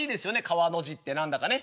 川の字って何だかね。